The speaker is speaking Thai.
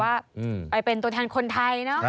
ก็ถือว่าไปเป็นตัวแทนคนไทยเนาะค่ะ